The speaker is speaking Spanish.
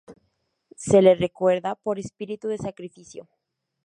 Se le recuerda por su espíritu de sacrificio.